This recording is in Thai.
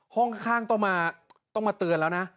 ห้องข้างต้องมาเตือนแล้วนะ